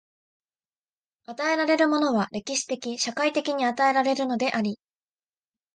与えられるものは歴史的・社会的に与えられるのであり、